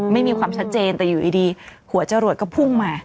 ไม่มีความชัดเจนแต่อยู่ดีหัวจรวดก็พุ่งมา